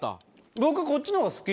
僕こっちのほうが好き。